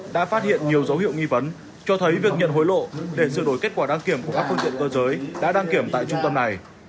đã phát hiện nhiều dấu hiệu nghi vấn cho thấy việc nhận hối lộ để sửa đổi kết quả đăng kiểm của các phương tiện cơ giới đã đăng kiểm tại trung tâm này